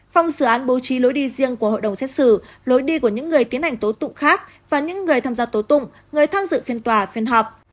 phòng xử án bố trí lối đi riêng của hội đồng xét xử lối đi của những người tiến hành tố tụng khác và những người tham gia tố tụng người tham dự phiên tòa phiên họp